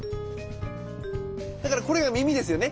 だからこれが耳ですよね。